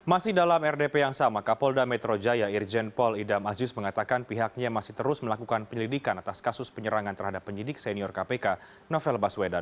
masih dalam rdp yang sama kapolda metro jaya irjen paul idam aziz mengatakan pihaknya masih terus melakukan penyelidikan atas kasus penyerangan terhadap penyidik senior kpk novel baswedan